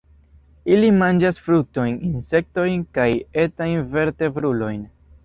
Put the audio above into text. Ili manĝas fruktojn, insektojn kaj etajn vertebrulojn.